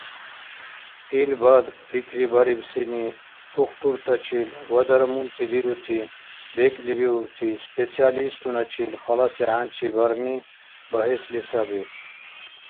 Ил БАД пикрибарибсини тухтуртачил ва дармунти дирути бекӀлибиубти специалистуначил халаси хӀянчи барни багьесли саби.